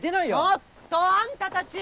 ちょっとあんたたち！